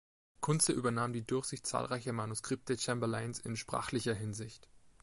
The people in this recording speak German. Kuntze übernahm die Durchsicht zahlreicher Manuskripte Chamberlains in sprachlicher Hinsicht.